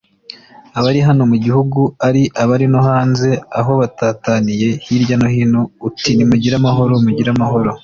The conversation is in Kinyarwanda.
abari hano mu gihugu ari abari no hanze aho batataniye hirya no hino uti nimugire amahoro, mugire amahoro,